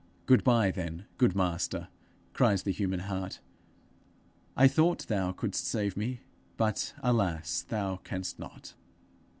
'Good bye, then, good Master!' cries the human heart. 'I thought thou couldst save me, but, alas, thou canst not.